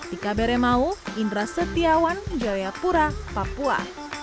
tika beremau indra setiawan jayapura papua